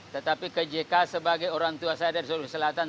tetapi ke jk sebagai orang tua saya dari sulawesi selatan